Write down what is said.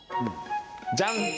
じゃん！